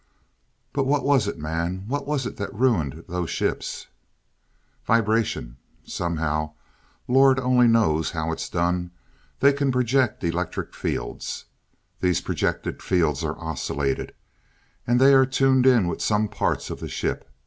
"But what was it, man, what was it that ruined those ships?" "Vibration. Somehow Lord only knows how it's done they can project electric fields. These projected fields are oscillated, and they are tuned in with some parts of the ship.